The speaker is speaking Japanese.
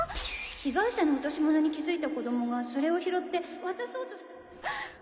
⁉被害者の落とし物に気付いた子供がそれを拾って渡そうとしたハッ！